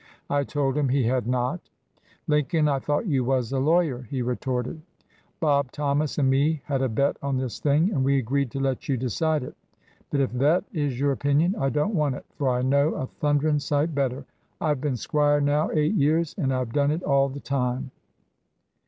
I told him he had not. 'Lincoln, I thought you was a lawyer,' he re torted. 'Bob Thomas and me had a bet on this thing, and we agreed to let you decide it; but if thet is your opinion, I don't want it, for I know a thunderin' sight better. I 've been Squire now eight years, and I J ve done it all the time!''